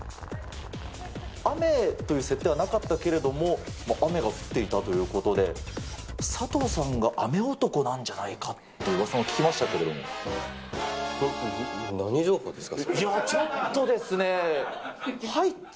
雨という設定ではなかったけれども、雨が降っていたということで、佐藤さんが雨男なんじゃないかっていううわさも聞きましたけれど何情報ですか？